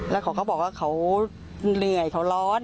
แล้วเขาก็บอกว่าเขาเหนื่อยเขาร้อน